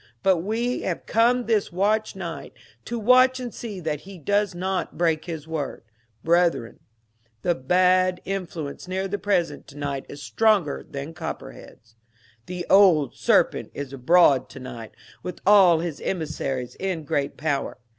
But we have come this Watch Night to watch and see that he does not break his word. Brethren, the bad influence near the President to night is stronger than Copperheads. The old serpent is abroad to night, with all his emissaries, in great power.